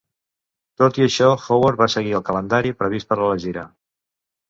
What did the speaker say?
Tot i això, Howard va seguir el calendari previst per a la gira.